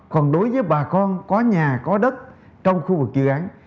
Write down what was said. còn đối với bà con có nhà có đất trong khu vực dự án